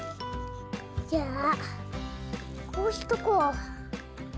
じゃあこうしとこう。